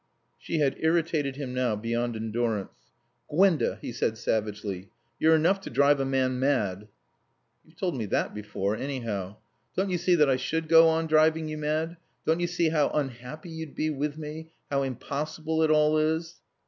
She had irritated him now beyond endurance. "Gwenda," he said savagely, "you're enough to drive a man mad." "You've told me that before, anyhow. Don't you see that I should go on driving you mad? Don't you see how unhappy you'd be with me, how impossible it all is?"